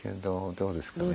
どうですか？